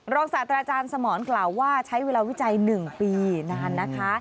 ศาสตราจารย์สมรกล่าวว่าใช้เวลาวิจัย๑ปีนานนะคะ